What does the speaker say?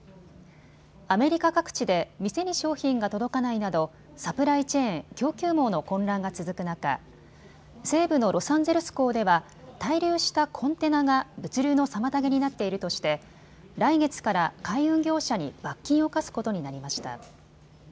アメリカ各地で店に商品が届かないなどサプライチェーン・供給網の混乱が続く中、西部のロサンゼルス港では滞留したコンテナが物流の妨げになっているとして来月から海運業者に罰金を科すことになりました。